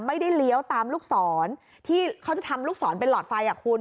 ไม่ได้เลี้ยวตามลูกศรที่เขาจะทำลูกศรเป็นหลอดไฟ